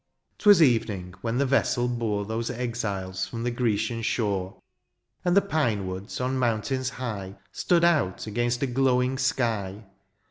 ^Twas evening when the vessel bore Those exiles from the Grecian shore ; And the pine woods on mountains high Stood out against a glowing sky.